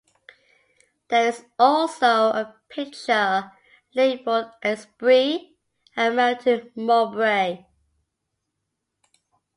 There is also a picture labelled A Spree at Melton Mowbray.